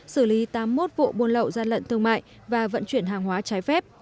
xử lý tám mươi một vụ buôn lậu gian lận thương mại và vận chuyển hàng hóa trái phép